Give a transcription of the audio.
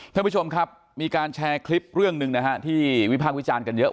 ท่านผู้ชมครับมีการแชร์คลิปเรื่องหนึ่งนะฮะที่วิพากษ์วิจารณ์กันเยอะ